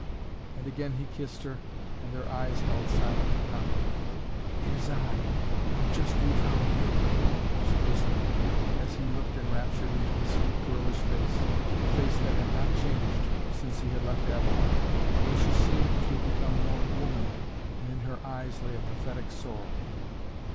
And again he kissed her and their eyes held silent commune. "It is I who have just refound you!" she whispered, as he looked enraptured into the sweet girlish face, the face that had not changed since he had left Avalon, though she seemed to have become more womanly, and in her eyes lay a pathetic sorrow.